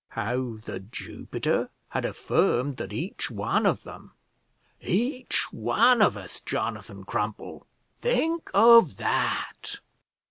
How The Jupiter had affirmed that each one of them "each one of us, Jonathan Crumple, think of that!"